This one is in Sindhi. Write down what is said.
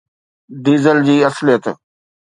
ڊيزل جي اصليت